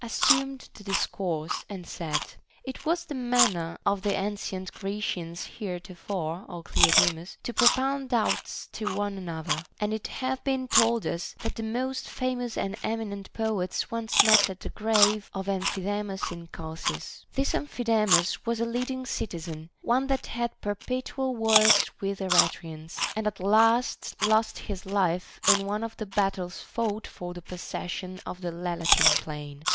assumed the discourse, and said: It was the manner of the ancient Grecians heretofore, Ο Cleode mus, to propound doubts to one another ; and it hath been told us, that the most famous and eminent poets once met at the grave of Amphidamas in Chalcis. This Amplii damas was a leading citizen, one that had perpetual wars with the Eretrians, and at last lost his life in one of the battles fought for the possession of the Lelantine plain.